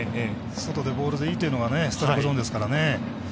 外でボールでというのがストライクゾーンですからね。